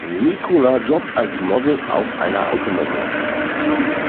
Nicola jobbt als Model auf einer Automesse.